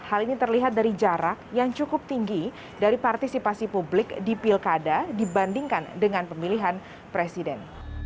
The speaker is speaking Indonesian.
hal ini terlihat dari jarak yang cukup tinggi dari partisipasi publik di pilkada dibandingkan dengan pemilihan presiden